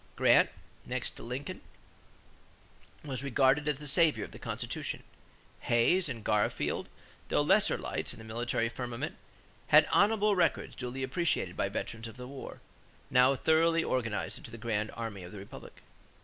Grant, next to Lincoln, was regarded as the savior of the Constitution. Hayes and Garfield, though lesser lights in the military firmament, had honorable records duly appreciated by veterans of the war, now thoroughly organized into the Grand Army of the Republic.